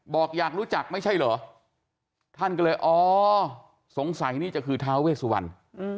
อยากรู้จักไม่ใช่เหรอท่านก็เลยอ๋อสงสัยนี่จะคือท้าเวสุวรรณ